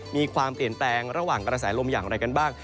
มีความเปลี่ยนแปลงระหว่างกระแสลมอย่างไรกันบ้าง